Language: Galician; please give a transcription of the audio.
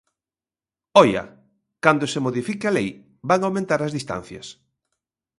¡Oia!, cando se modifique a lei, van aumentar as distancias.